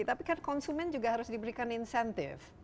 tapi kan konsumen juga harus diberikan insentif